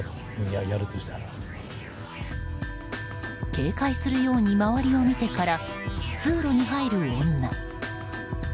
警戒するように周りを見てから通路に入る女。